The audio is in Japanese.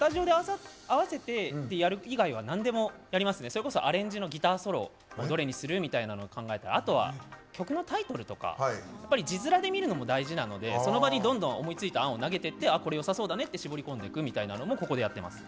それこそアレンジのギターソロをどれにするみたいなのを考えたらあとは曲のタイトルとかやっぱり字面で見るのも大事なのでその場にどんどん思いついた案を投げてってこれよさそうだねって絞り込んでいくみたいなのもここでやってます。